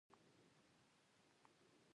د انقلابونو ترمنځ اړیکه ساده وه.